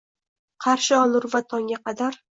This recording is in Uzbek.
Qarshi olur va tongga qadar